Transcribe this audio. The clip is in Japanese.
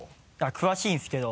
詳しいんですけど